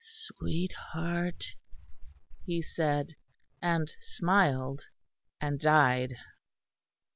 "Sweetheart," he said; and smiled, and died.